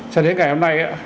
cho đến ngày hôm nay